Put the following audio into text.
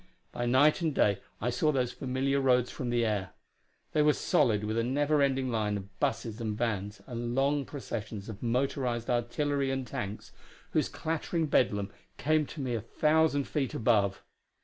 By night and day I saw those familiar roads from the air; they were solid with a never ending line of busses and vans and long processions of motorized artillery and tanks, whose clattering bedlam came to me a thousand feet above.